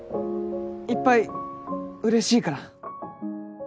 いっぱい嬉しいから。